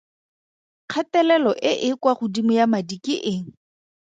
Kgatelelo e e kwa godimo ya madi ke eng?